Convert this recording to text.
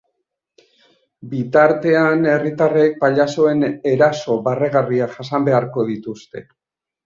Bitartean, herritarrek pailazoen eraso barregarriak jasan beharko dituzte.